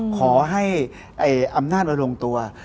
ขอให้อำนาจมันลงตัว